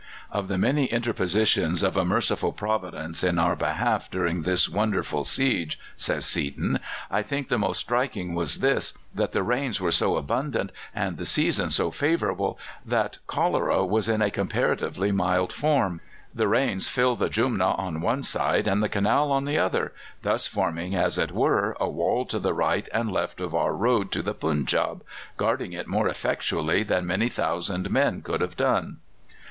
"Of the many interpositions of a merciful Providence in our behalf during this wonderful siege," says Seaton, "I think the most striking was this that the rains were so abundant and the season so favourable that cholera was in a comparatively mild form. The rains filled the Jumna on one side and the canal on the other, thus forming, as it were, a wall to the right and left of our road to the Punjab, guarding it more effectually than many thousand men could have done."